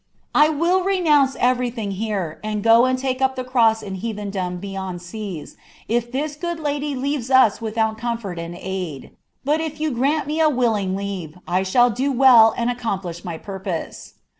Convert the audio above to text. I will renounce everything taoi and go and take vp ihe cross in heathendom b^ ond sMa, if thi* food lady leaves as wiihoui coinfon and aid. But if you grant me ■ wiHini leave, 1 shall do well, and accomplish my purpose.'